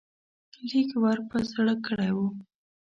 لیک ور په زړه کړی وو.